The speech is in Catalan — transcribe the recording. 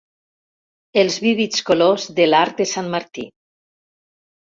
Els vívids colors de l'arc de Sant Martí.